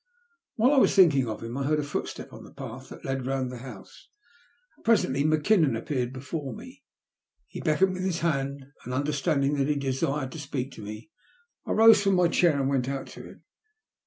While I was thinking of him, I heard a footstep on the path that led round the house, and presently Mackinnon appeared before me. He beckoned with his hand, and understanding that he desired to speak to me, I rose from my chair and went out to him.